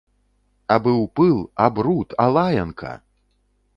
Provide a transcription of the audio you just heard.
А быў пыл, а бруд, а лаянка!